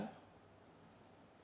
tetapi kita harus memiliki kekuatan